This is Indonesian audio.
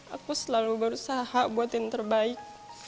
aku selalu berusaha buat yang terbaik